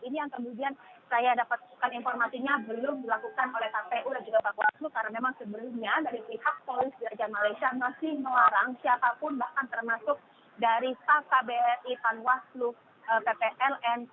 ini yang kemudian saya dapatkan informasinya belum dilakukan oleh kpu dan juga pak bawaslu karena memang sebelumnya dari pihak polisi di raja malaysia masih melarang siapapun bahkan termasuk dari pak kbri panwaslu ppln